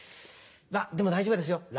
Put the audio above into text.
まっでも大丈夫ですよ